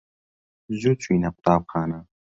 زوو چووینە قوتابخانە.